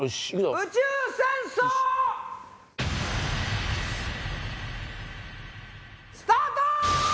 宇宙戦争！スタート！